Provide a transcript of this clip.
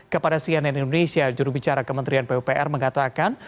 kepada cnn indonesia jurubicara kementerian pupr mengatakan